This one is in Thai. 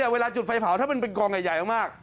เวลาจุดไฟเผาถ้ามันเป็นกองใหญ่มาก